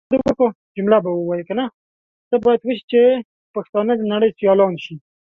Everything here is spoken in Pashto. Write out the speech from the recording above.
څه بايد وشي چې پښتانهٔ د نړۍ سيالان شي؟